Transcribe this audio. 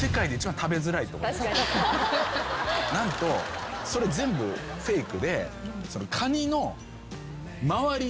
何とそれ全部フェイクで。